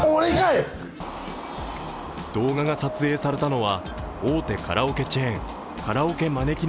動画が撮影されたのは大手カラオケチェーン、カラオケまねきね